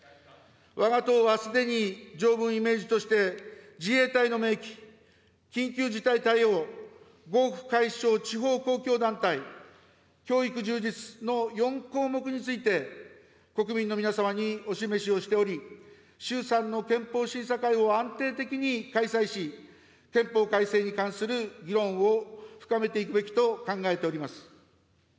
わが党はすでに条文イメージとして、自衛隊の明記、緊急事態対応、合区解消・地方公共団体、教育充実の４項目について、国民の皆様にお示しをしており、衆参の憲法審査会を安定的に開催し、憲法改正に関する議論を深めていくべきと考えております。